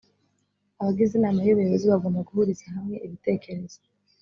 abagize inama y ‘ ubuyobozi bagomba guhuriza hamwe ibitekerezo.